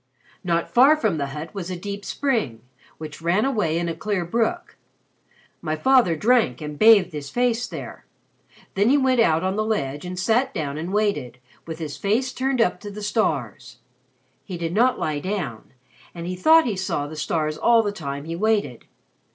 Not far from the hut was a deep spring, which ran away in a clear brook. My father drank and bathed his face there. Then he went out on the ledge, and sat down and waited, with his face turned up to the stars. He did not lie down, and he thought he saw the stars all the time he waited.